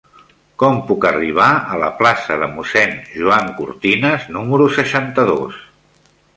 Com puc arribar a la plaça de Mossèn Joan Cortinas número seixanta-dos?